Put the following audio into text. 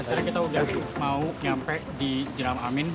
sekarang kita sudah mau sampai di jeram amin